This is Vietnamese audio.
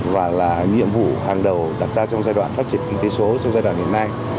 và là nhiệm vụ hàng đầu đặt ra trong giai đoạn phát triển kinh tế số trong giai đoạn hiện nay